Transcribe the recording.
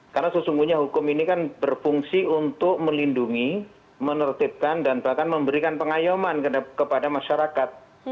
karena sesungguhnya hukum ini kan berfungsi untuk melindungi menertibkan dan bahkan memberikan pengayuman kepada masyarakat